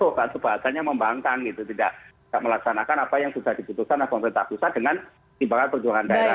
bahkan sebagiannya membangkang gitu tidak melaksanakan apa yang sudah diputuskan oleh pemerintah pusat dengan tindakan perjuangan daerah